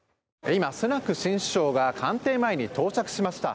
今、スナク新首相が官邸前に到着しました。